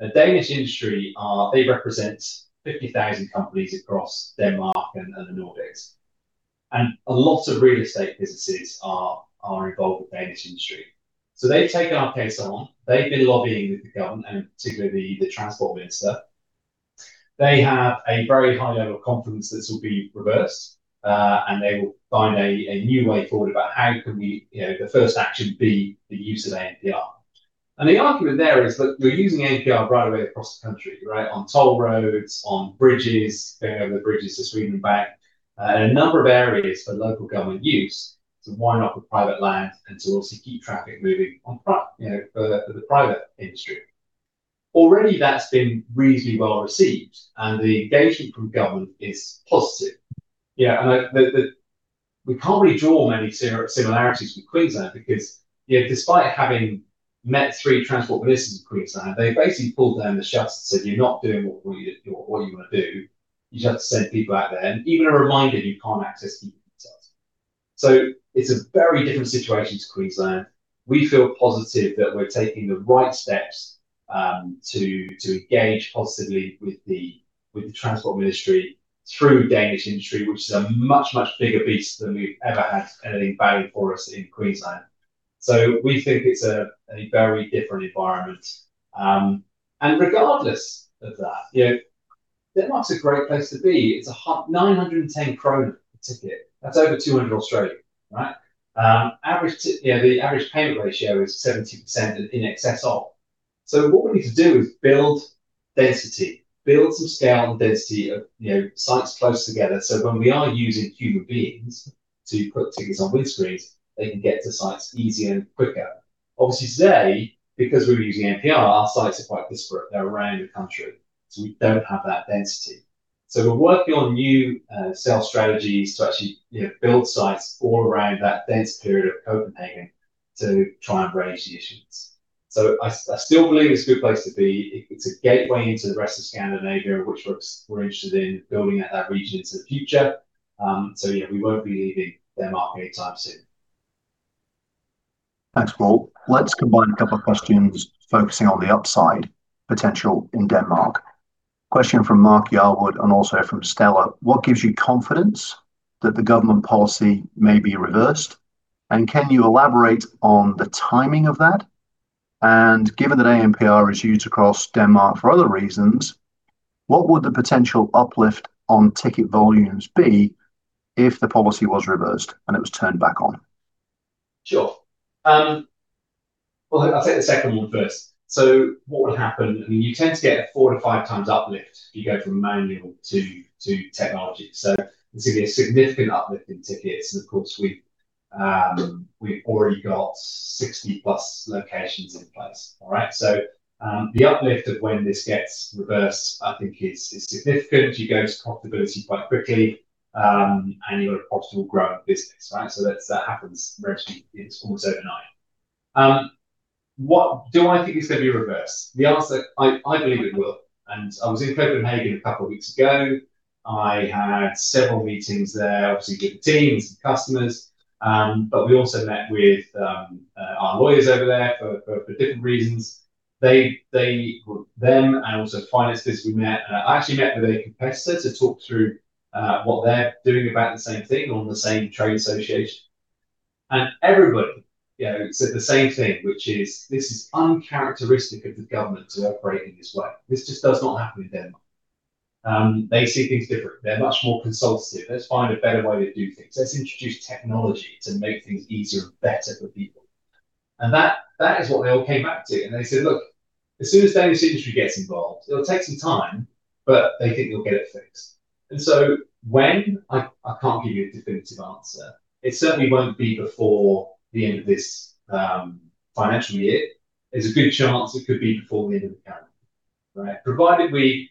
Now, Danish Industry are, they represent 50,000 companies across Denmark and the Nordics, and a lot of real estate businesses are involved with Danish Industry. So they've taken our case on, they've been lobbying with the government, and particularly the Transport Minister. They have a very high level of confidence this will be reversed, and they will find a new way forward about how can we, you know, the first action be the use of ANPR. And the argument there is, look, we're using ANPR right away across the country, right? On toll roads, on bridges, you know, the bridges to Sweden and back, and a number of areas for local government use. So why not for private land and to also keep traffic moving on front, you know, for the, for the private industry? Already, that's been reasonably well received, and the engagement from government is positive. Yeah, and I. We can't really draw many similarities with Queensland because, you know, despite having met 3 Transport Ministers in Queensland, they basically pulled down the shutters and said, "You're not doing what you wanna do. You just have to send people out there, and even a reminder, you can't access the details." So it's a very different situation to Queensland. We feel positive that we're taking the right steps to engage positively with the Transport Ministry through Danish Industry, which is a much, much bigger beast than we've ever had anything battling for us in Queensland. So we think it's a very different environment. And regardless of that, you know, Denmark's a great place to be. It's a 910 kroner ticket. That's over 200, right? You know, the average payment ratio is 70% in excess of. So what we need to do is build density, build some scale and density of, you know, sites close together, so when we are using human beings to put tickets on windscreens, they can get to sites easier and quicker. Obviously, today, because we're using ANPR, our sites are quite disparate. They're around the country, so we don't have that density. So we're working on new sales strategies to actually, you know, build sites all around that dense period of Copenhagen to try and raise the issuance. So I still believe it's a good place to be. It's a gateway into the rest of Scandinavia, which we're interested in building out that region into the future. So, you know, we won't be leaving Denmark anytime soon. Thanks, Paul. Let's combine a couple of questions focusing on the upside potential in Denmark. Question from Mark Yarwood and also from Stella: What gives you confidence that the government policy may be reversed, and can you elaborate on the timing of that? And given that ANPR is used across Denmark for other reasons, what would the potential uplift on ticket volumes be if the policy was reversed and it was turned back on? Sure. Well, I'll take the second one first. So what would happen, I mean, you tend to get a 4-5 times uplift if you go from manual to technology. So you can see a significant uplift in tickets, and of course, we've already got 60+ locations in place. All right? So, the uplift of when this gets reversed, I think is significant. You go to profitability quite quickly, and you're a profitable growing business, right? So that happens virtually, it's almost overnight. What-- Do I think it's going to be reversed? The answer, I believe it will. And I was in Copenhagen a couple of weeks ago. I had several meetings there, obviously, with the team and some customers. But we also met with our lawyers over there for different reasons. They, they-- Them and also financiers we met. And I actually met with a competitor to talk through what they're doing about the same thing on the same trade association. And everybody, you know, said the same thing, which is, "This is uncharacteristic of the government to operate in this way. This just does not happen in Denmark." They see things differently. They're much more consultative. "Let's find a better way to do things. Let's introduce technology to make things easier and better for people." And that, that is what they all came back to, and they said, "Look, as soon as Danish Industry gets involved, it'll take some time, but they think you'll get it fixed." And so when? I, I can't give you a definitive answer. It certainly won't be before the end of this financial year. There's a good chance it could be before the end of the calendar, right? Provided we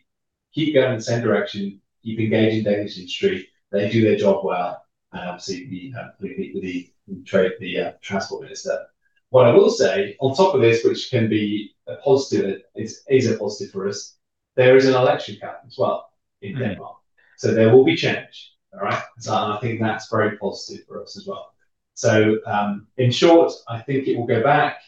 keep going in the same direction, keep engaging Danish Industry, they do their job well, and obviously, we meet with the trade, the Transport Minister. What I will say, on top of this, which can be a positive, it is a positive for us, there is an election coming as well in Denmark, so there will be change. All right? So I think that's very positive for us as well. So, in short, I think it will go back.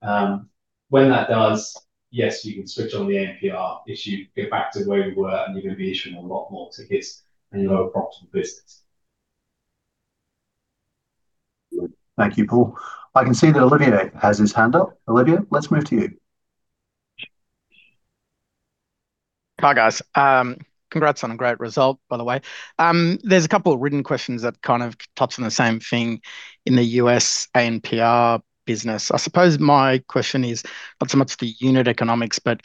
When that does, yes, you can switch on the ANPR issue, get back to where you were, and you're going to be issuing a lot more tickets, and you're a profitable business. Thank you, Paul. I can see that Olivier has his hand up. Olivier, let's move to you. Hi, guys. Congrats on a great result, by the way. There's a couple of written questions that kind of touch on the same thing in the U.S. ANPR business. I suppose my question is not so much the unit economics, but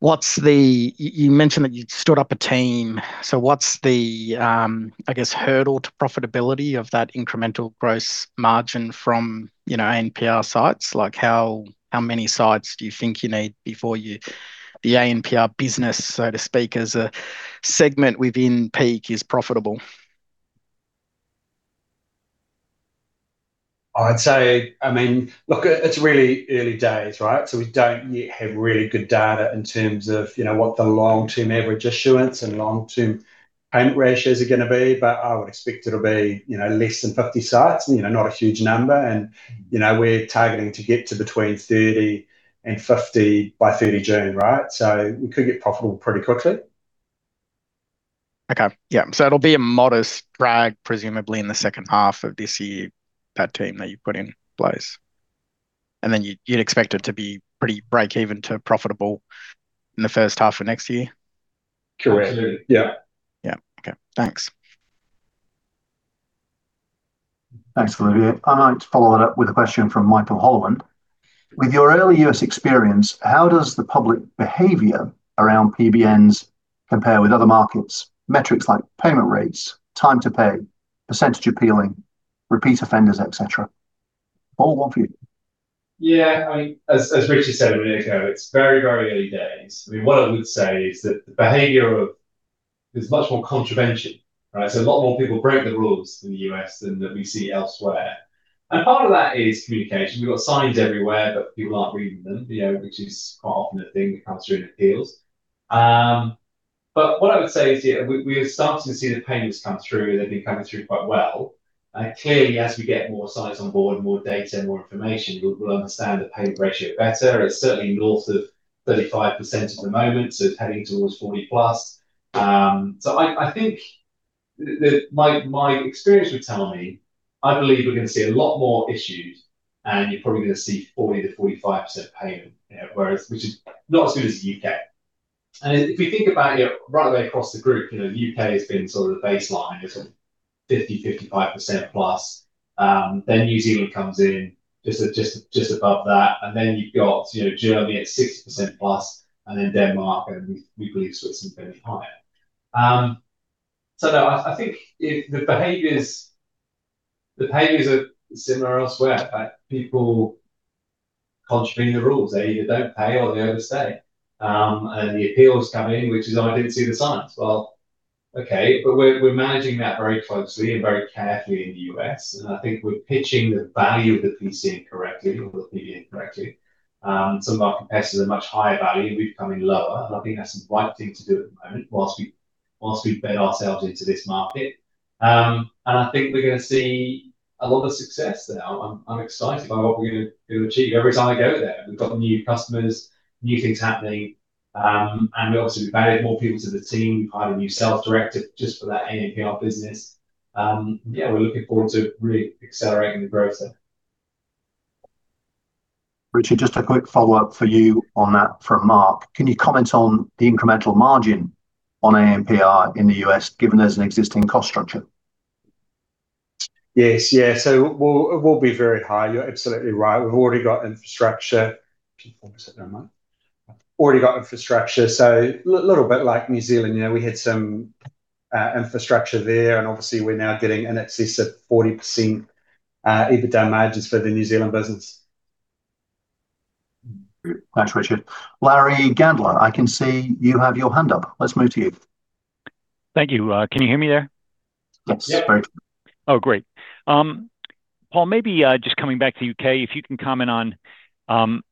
what's the... you mentioned that you'd stood up a team, so what's the, I guess, hurdle to profitability of that incremental gross margin from, you know, ANPR sites? Like, how many sites do you think you need before you, the ANPR business, so to speak, as a segment within Peak, is profitable? I'd say, I mean, look, it's really early days, right? So we don't yet have really good data in terms of, you know, what the long-term average issuance and long-term payment ratios are gonna be, but I would expect it'll be, you know, less than 50 sites, you know, not a huge number. And, you know, we're targeting to get to between 30 and 50 by 30 June, right? So we could get profitable pretty quickly. Okay. Yeah. So it'll be a modest drag, presumably in the second half of this year, that team that you've put in place, and then you, you'd expect it to be pretty break even to profitable in the first half of next year? Correct. Absolutely. Yeah. Yeah. Okay, thanks. Thanks, Olivier. I'm going to follow that up with a question from Michael Holland: With your early U.S. experience, how does the public behavior around PBNs compare with other markets? Metrics like payment rates, time to pay, percentage appealing, repeat offenders, et cetera. Paul, one for you. Yeah, I mean, as Richard said a minute ago, it's very, very early days. I mean, what I would say is that the behavior of... There's much more contravention, right? So a lot more people break the rules in the U.S. than we see elsewhere. And part of that is communication. We've got signs everywhere, but people aren't reading them, you know, which is quite often a thing that comes through in appeals. But what I would say is, yeah, we are starting to see the payments come through, and they've been coming through quite well. And clearly, as we get more sites on board, more data, more information, we'll understand the payment ratio better. It's certainly north of 35% at the moment, so it's heading towards 40+. So I think that my experience would tell me, I believe we're gonna see a lot more issues, and you're probably gonna see 40%-45% payment, you know, whereas, which is not as good as the U.K. And if you think about it, right the way across the group, you know, the U.K. has been sort of the baseline. It's 50-55%+. Then New Zealand comes in just above that, and then you've got, you know, Germany at 60%+, and then Denmark, and we believe Switzerland will be higher. So no, I think if the behaviors are similar elsewhere, but people contravene the rules. They either don't pay or they overstay. And the appeals come in, which is, "Oh, I didn't see the signs." Well, okay, but we're, we're managing that very closely and very carefully in the U.S., and I think we're pitching the value of the PCN correctly or the PBN correctly. Some of our competitors are much higher value, and we've come in lower, and I think that's the right thing to do at the moment whilst we bed ourselves into this market. And I think we're going to see a lot of success there. I'm, I'm excited by what we're going to, going to achieve. Every time I go there, we've got new customers, new things happening, and obviously we've added more people to the team, hired a new sales director just for that ANPR business. Yeah, we're looking forward to really accelerating the growth there. Richard, just a quick follow-up for you on that from Mark. Can you comment on the incremental margin on ANPR in the U.S., given there's an existing cost structure? Yes, yeah. So it will, it will be very high. You're absolutely right. We've already got infrastructure. Can you focus it there, Mark? Already got infrastructure, so little bit like New Zealand, you know, we had some infrastructure there, and obviously we're now getting in excess of 40% EBITDA margins for the New Zealand business. Thanks, Richard. Larry Gandler, I can see you have your hand up. Let's move to you. Thank you. Can you hear me there? Yes. Yep. Oh, great. Paul, maybe just coming back to U.K., if you can comment on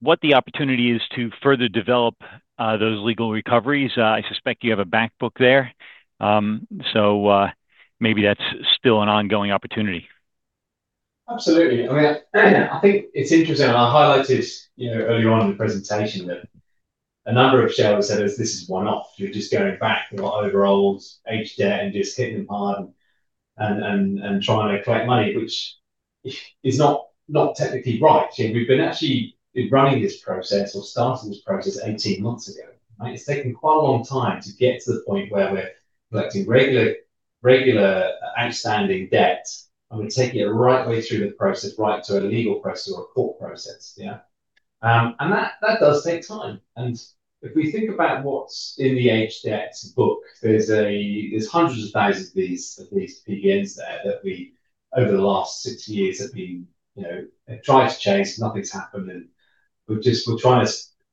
what the opportunity is to further develop those legal recoveries. I suspect you have a back book there. So, maybe that's still an ongoing opportunity. Absolutely. I mean, I think it's interesting, and I highlighted, you know, earlier on in the presentation that a number of shareholders said this is one-off. We're just going back through our older aged debt and just hitting them hard and trying to collect money, which is not technically right. We've actually been running this process or starting this process 18 months ago, right? It's taken quite a long time to get to the point where we're collecting regular outstanding debt, and we're taking it right the way through the process, right to a legal process or a court process, yeah. And that does take time. If we think about what's in the aged debt book, there's hundreds of thousands of these PBNs there that we, over the last six years, have been, you know, trying to chase, nothing's happened, and we're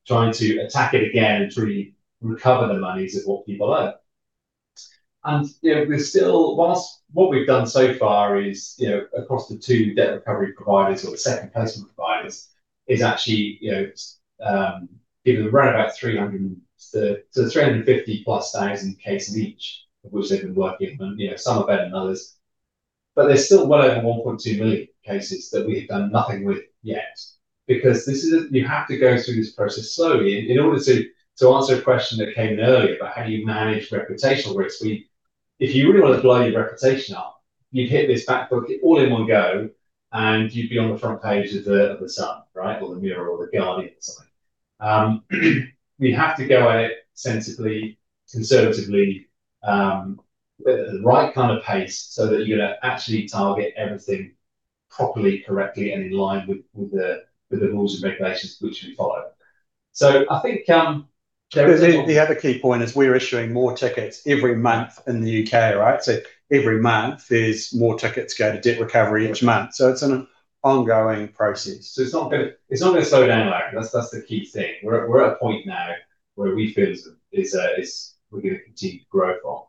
trying to attack it again to really recover the monies of what people owe. And, you know, we're still... While what we've done so far is, you know, across the two debt recovery providers or second placement providers, is actually, you know, given around about 300 to 350+ thousand cases each, of which they've been working, you know, some are better than others. But there's still well over 1.2 million cases that we've done nothing with yet. Because this is a-- you have to go through this process slowly. In order to answer a question that came in earlier about how do you manage reputational risk, we, if you really want to blow your reputation up, you'd hit this back book all in one go, and you'd be on the front page of The Sun, right? Or The Mirror, or The Guardian or something. We have to go at it sensibly, conservatively, at the right kind of pace, so that you're going to actually target everything properly, correctly, and in line with the rules and regulations which we follow. So I think, The other key point is we're issuing more tickets every month in the U.K., right? So every month, there's more tickets go to debt recovery each month. So it's an ongoing process. So it's not gonna slow down, like, that's the key thing. We're at a point now where we feel we're going to continue to grow from.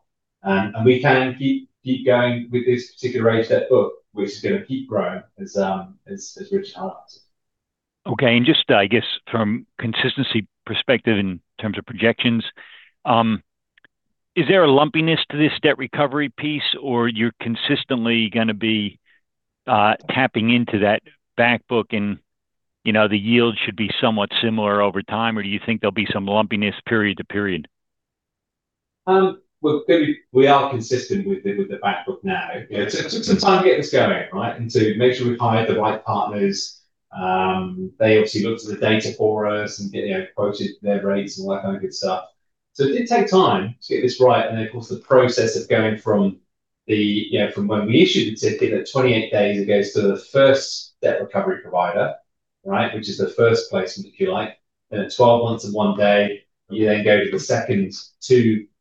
And we can keep going with this particular aged debt book, which is going to keep growing as Richard highlighted. Okay, and just, I guess from consistency perspective in terms of projections, is there a lumpiness to this debt recovery piece, or you're consistently gonna be tapping into that back book and, you know, the yield should be somewhat similar over time, or do you think there'll be some lumpiness period to period? Well, we are consistent with the back book now. Yeah. It took some time to get this going, right? To make sure we've hired the right partners. They obviously looked at the data for us and got, you know, quoted their rates and all that kind of good stuff. So it did take time to get this right, and then, of course, the process of going from the, you know, from when we issue the ticket, at 28 days, it goes to the first debt recovery provider, right? Which is the first placement, if you like. Then at 12 months and one day, you then go to the second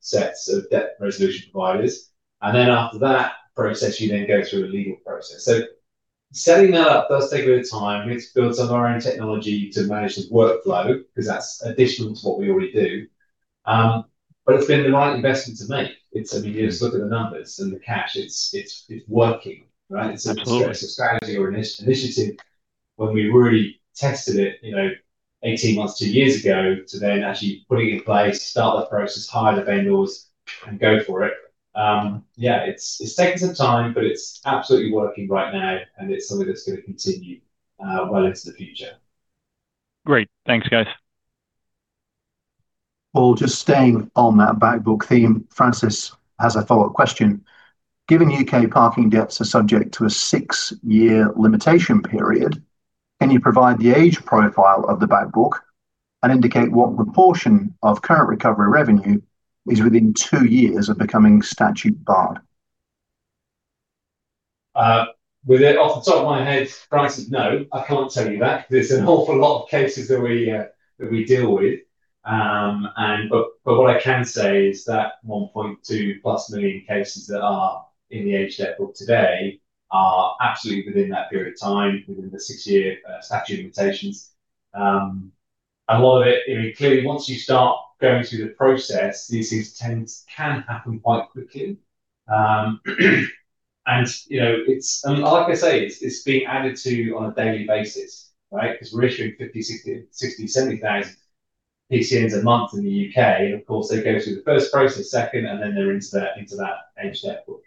set of debt resolution providers, and then after that process, you then go through a legal process. So setting that up does take a bit of time. We had to build some of our own technology to manage the workflow, because that's additional to what we already do. But it's been the right investment to make. It's, I mean, you just look at the numbers and the cash, it's working, right? Mm-hmm. It's a strategy or initiative when we really tested it, you know, 18 months to 2 years ago, to then actually putting in place, start the process, hire the vendors, and go for it. Yeah, it's, it's taken some time, but it's absolutely working right now, and it's something that's going to continue, well into the future. Great. Thanks, guys. Well, just staying on that back book theme, Francis has a follow-up question: "Given U.K. parking debts are subject to a six-year limitation period, can you provide the age profile of the back book and indicate what proportion of current recovery revenue is within two years of becoming statute barred? With it off the top of my head, Francis, no, I can't tell you that. There's an awful lot of cases that we, that we deal with, and but, but what I can say is that 1.2+ million cases that are in the aged debt book today are absolutely within that period of time, within the six-year statute of limitations. A lot of it, I mean, clearly, once you start going through the process, these things tend-can happen quite quickly. And, you know, it's, and like I say, it's, it's being added to on a daily basis, right? Because we're issuing 50, 60, 60, 70 thousand PCNs a month in the U.K. Of course, they go through the first process, second, and then they're into that, into that aged debt book.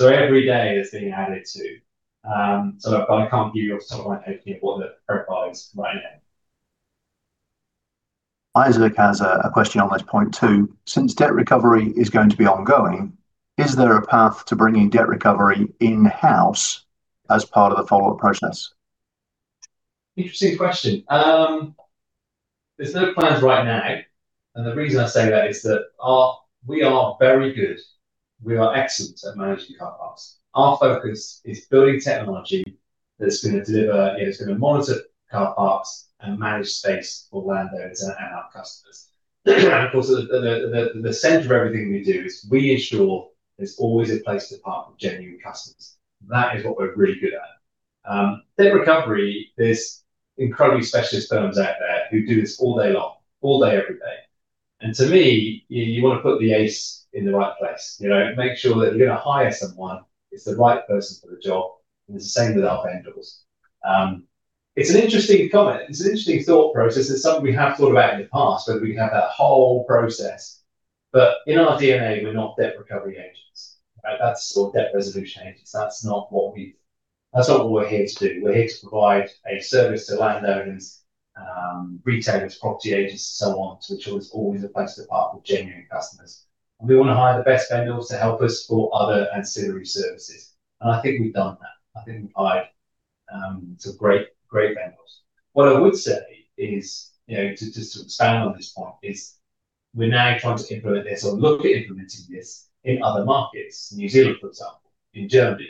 Every day it's being added to, but I can't give you sort of my opinion of what the profile is right now. Isaac has a question on this point, too: "Since debt recovery is going to be ongoing, is there a path to bringing debt recovery in-house as part of the follow-up process? Interesting question. There's no plans right now, and the reason I say that is that we are very good, we are excellent at managing car parks. Our focus is building technology that's gonna deliver, you know, it's gonna monitor car parks and manage space for landowners and our customers. Of course, the center of everything we do is we ensure there's always a place to park for genuine customers. That is what we're really good at. Debt recovery, there's incredibly specialist firms out there who do this all day long, all day, every day. And to me, you wanna put the ace in the right place, you know? Make sure that if you're gonna hire someone, it's the right person for the job, and it's the same with our vendors. It's an interesting comment. It's an interesting thought process. It's something we have thought about in the past, whether we have that whole process. But in our DNA, we're not debt recovery agents. Right, that's, or debt resolution agents. That's not what we... That's not what we're here to do. We're here to provide a service to landowners, retailers, property agents, and so on, to ensure there's always a place to park for genuine customers. And we wanna hire the best vendors to help us for other ancillary services, and I think we've done that. I think we've hired some great, great vendors. What I would say is, you know, just to expand on this point, is we're now trying to implement this or look at implementing this in other markets, New Zealand, for example, in Germany,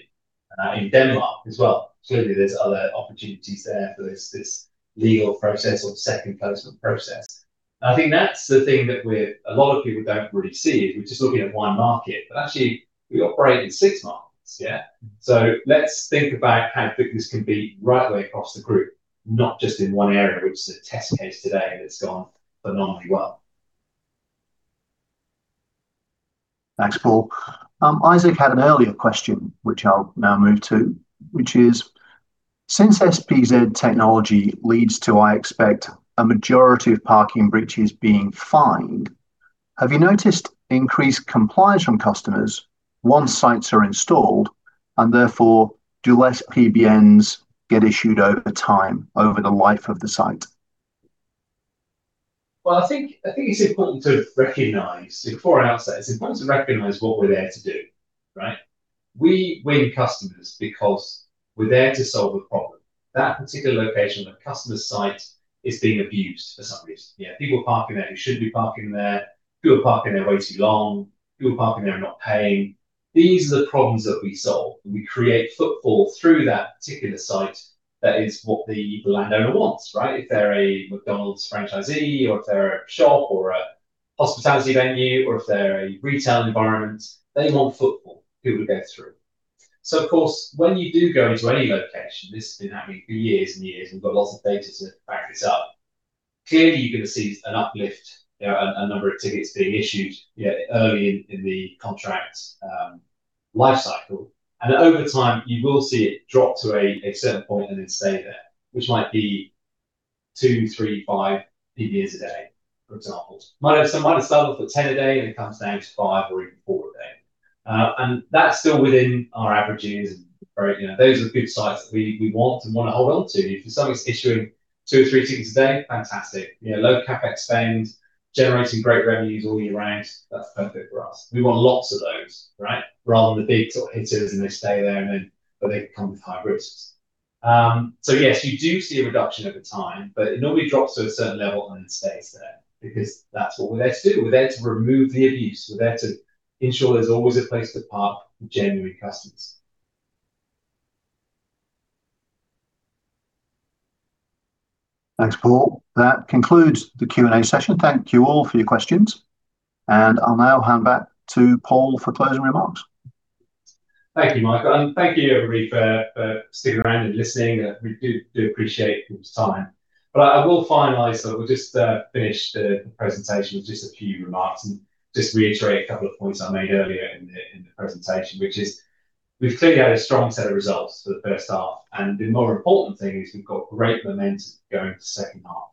and in Denmark as well. Clearly, there's other opportunities there for this, this legal process or second placement process. And I think that's the thing that we're-- a lot of people don't really see, is we're just looking at one market. But actually, we operate in six markets, yeah? So let's think about how big this can be right the way across the group, not just in one area, which is a test case today, and it's gone phenomenally well. Thanks, Paul. Isaac had an earlier question, which I'll now move to, which is: "Since SPZ technology leads to, I expect, a majority of parking breaches being fined, have you noticed increased compliance from customers once sites are installed? And therefore, do less PBNs get issued over time over the life of the site? Well, I think, I think it's important to recognize, before I answer, it's important to recognize what we're there to do, right? We win customers because we're there to solve a problem. That particular location on a customer's site is being abused for some reason. Yeah, people are parking there who shouldn't be parking there, people are parking there way too long, people are parking there and not paying. These are the problems that we solve. We create footfall through that particular site. That is what the landowner wants, right? If they're a McDonald's franchisee or if they're a shop or a hospitality venue or if they're a retail environment, they want footfall, people to go through. So of course, when you do go into any location, this has been happening for years and years, we've got lots of data to back this up, clearly you're gonna see an uplift, a number of tickets being issued, early in the contract life cycle. And over time, you will see it drop to a certain point and then stay there, which might be two, three, five PCNs a day, for example. It might have started off at 10 a day, and it comes down to five or even four a day. And that's still within our averages, or you know, those are the good sites that we want and wanna hold on to. If someone's issuing two or three tickets a day, fantastic. You know, low CapEx spend, generating great revenues all year round, that's perfect for us. We want lots of those, right? Rather than the big sort of hitters, and they stay there, but they come with high risks. So yes, you do see a reduction over time, but it normally drops to a certain level, and it stays there because that's what we're there to do. We're there to remove the abuse. We're there to ensure there's always a place to park for genuine customers. Thanks, Paul. That concludes the Q&A session. Thank you all for your questions, and I'll now hand back to Paul for closing remarks. Thank you, Michael, and thank you, everybody, for, for sticking around and listening. We do, we do appreciate your time. But I will finalize, so we'll just finish the presentation with just a few remarks and just reiterate a couple of points I made earlier in the, in the presentation, which is we've clearly had a strong set of results for the first half, and the more important thing is we've got great momentum going into the second half.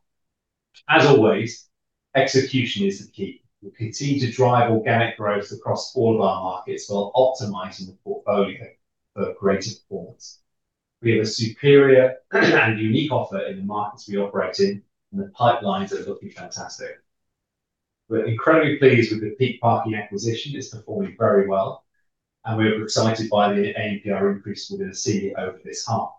As always, execution is the key. We'll continue to drive organic growth across all of our markets while optimizing the portfolio for greater performance. We have a superior and unique offer in the markets we operate in, and the pipelines are looking fantastic. We're incredibly pleased with the Peak Parking acquisition. It's performing very well, and we're excited by the ANPR increase we're gonna see over this half.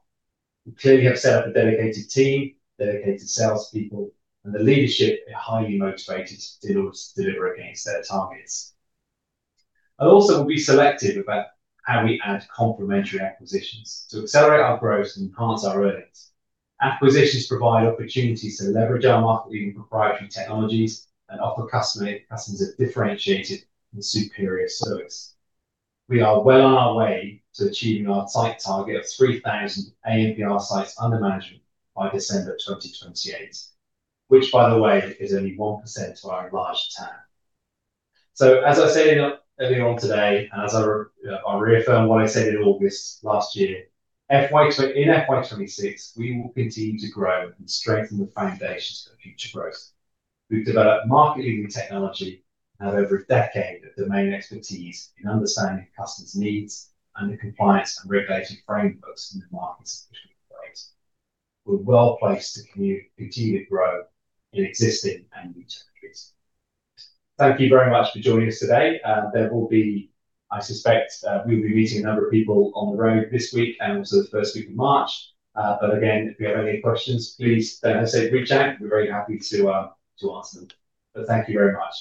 We clearly have set up a dedicated team, dedicated salespeople, and the leadership are highly motivated to deliver, to deliver against their targets. And also, we'll be selective about how we add complementary acquisitions to accelerate our growth and enhance our earnings. Acquisitions provide opportunities to leverage our market-leading proprietary technologies and offer customers a differentiated and superior service. We are well on our way to achieving our site target of 3,000 ANPR sites under management by December 2028, which, by the way, is only 1% to our large TAM. So as I said earlier on today, and as I reaffirm what I said in August last year, in FY 2026, we will continue to grow and strengthen the foundations for future growth. We've developed market-leading technology and over a decade of domain expertise in understanding customers' needs and the compliance and regulation frameworks in the markets which we operate. We're well-placed to continue to grow in existing and new territories. Thank you very much for joining us today. There will be, I suspect, we'll be meeting a number of people on the road this week and also the first week of March. But again, if you have any questions, please, as I said, reach out. We're very happy to answer them. But thank you very much.